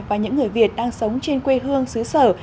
và những người việt đang sống trên quê hương xứ sở